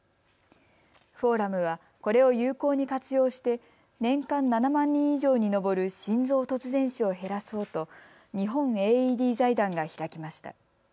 フォーラムはこれを有効に活用して年間７万人以上に上る心臓突然死を減らそうと日本ＡＥＤ財団が開きました。